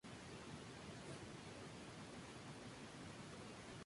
La sede de la parroquia es Tallulah.